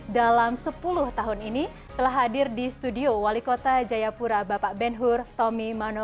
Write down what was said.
dalam sepuluh tahun ini telah hadir di studio wali kota jayapura bapak ben hur tommy mano